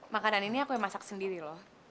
makanan ini aku yang masak sendiri loh